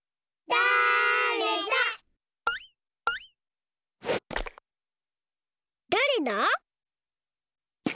だれだ？